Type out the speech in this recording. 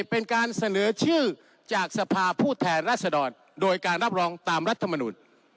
เป็นการเสนอชื่อจากสภาผู้แทนรัศดรโดยการรับรองตามรัฐมนุน